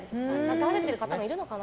食べてる方もいるのかな。